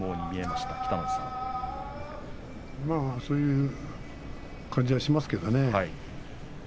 まあそういう感じがしますけれどね。